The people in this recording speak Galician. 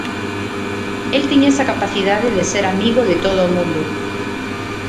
El tiña esa capacidade de ser amigo de todo o mundo.